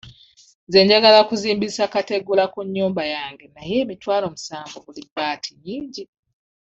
Nze njagala okuzimbisa kategula ku nnyumba naye emitwalo musanvu buli bbaati nnyingi.